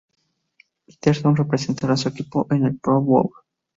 Peterson representará a su equipo en el Pro Bowl.